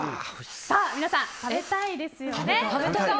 皆さん、食べたいですよね？